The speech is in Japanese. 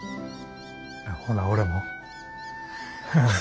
ほな俺も。